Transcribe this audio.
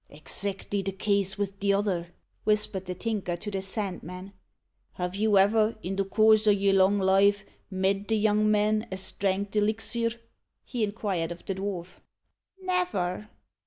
"Exactly the case with the t'other," whispered the Tinker to the Sandman. "Have you ever, in the coorse o' your long life, met the young man as drank the 'lixir?" he inquired of the dwarf. "Never."